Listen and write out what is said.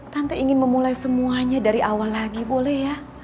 tante ingin memulai semuanya dari awal lagi boleh ya